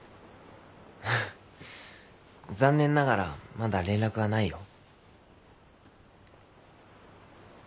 残念ながらまだ連絡はないよ。